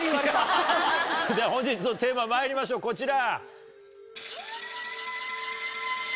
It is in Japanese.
では本日のテーマまいりましょうこちら。